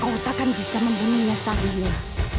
kau takkan bisa membunuhnya seharian